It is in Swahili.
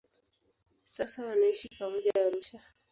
Sasa wanaishi pamoja Arusha.